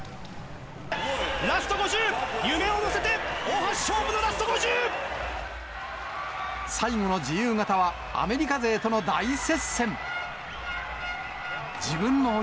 ラスト５０、夢を乗せて、最後の自由形は、アメリカ勢との大接戦。